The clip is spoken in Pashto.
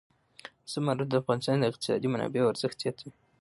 زمرد د افغانستان د اقتصادي منابعو ارزښت زیاتوي.